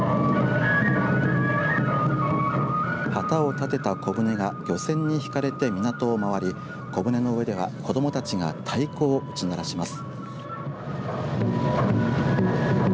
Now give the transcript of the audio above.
旗を立てた小舟が漁船にひかれて港を周り小舟の上では子どもたちが太鼓を打ち鳴らします。